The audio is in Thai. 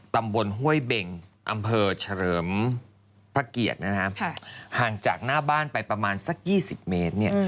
ตำบลห้วยเบงอำเภอเฉลิมพระเกียรตินะฮะห่างจากหน้าบ้านไปประมาณสัก๒๐เมตรเนี่ย